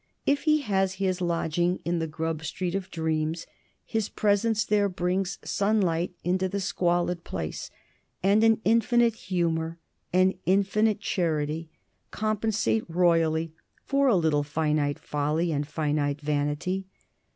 If he has his lodging in the Grub Street of Dreams, his presence there brings sunlight into the squalid place, and an infinite humor, an infinite charity compensate royally for a little finite folly and finite vanity.